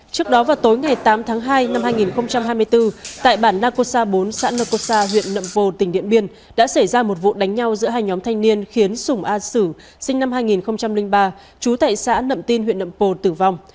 trước đó vào tối ngày tám tháng hai năm hai nghìn hai mươi bốn tại bản nacosa bốn xã nơ cô sa huyện nậm pồ tỉnh điện biên đã xảy ra một vụ đánh nhau giữa hai nhóm thanh niên khiến sùng a sử sinh năm hai nghìn ba trú tại xã nậm tin huyện nậm pồ tử vong